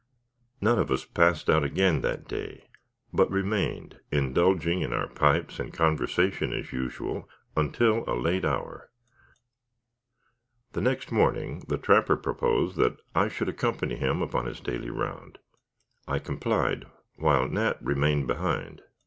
None of us passed out again that day, but remained indulging in our pipes and conversation as usual, until a late hour. The next morning the trapper proposed that I should accompany him upon his daily round. I complied, while Nat remained behind.